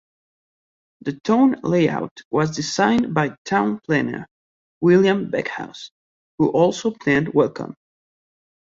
The town layout was designed by town planner William Backhouse, who also planned Welkom.